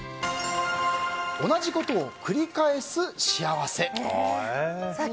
同じことを繰り返す幸せ。